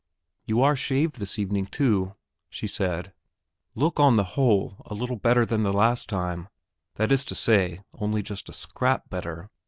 "You are shaved this evening, too," she said; look on the whole a little better than the last time that is to say, only just a scrap better.